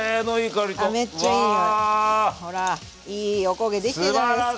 ほらいいおこげ出来てるじゃないですか！